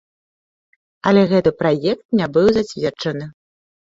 Але гэты праект не быў зацверджаны.